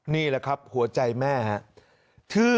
นี่แหละครับหัวใจแม่